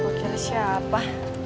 kok kira siapa